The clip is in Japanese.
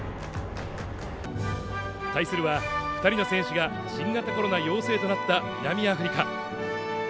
対するは２人の選手が新型コロナ陽性となった南アフリカ。